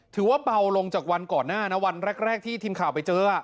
ถือว่าเบาลงจากวันก่อนหน้านะวันแรกที่ทีมข่าวไปเจอ